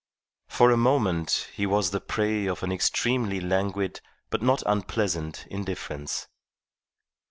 For a moment he was the prey of an extremely languid but not unpleasant indifference.